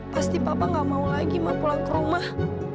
pasti papa gak mau lagi mah pulang ke rumah